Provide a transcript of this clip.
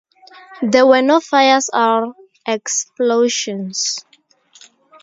There were no fires or explosions.